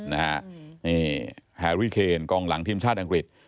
นี่แฮรี่เคนกองหลังทีมชาติอังกฤษ